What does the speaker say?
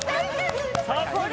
さすが！